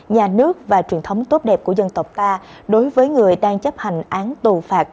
nhà nước và truyền thống tốt đẹp của dân tộc ta đối với người đang chấp hành án tù phạt